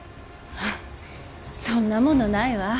フッそんなものないわ。